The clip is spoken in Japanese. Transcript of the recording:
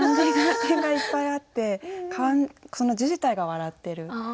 点がいっぱいあってその字自体が笑ってる。